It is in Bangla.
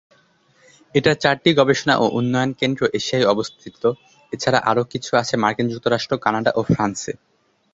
এটার চারটি গবেষণা ও উন্নয়ন কেন্দ্র এশিয়ায় অবস্থিত, এছাড়া আরো কিছু আছে মার্কিন যুক্তরাষ্ট্র, কানাডা ও ফ্রান্সে।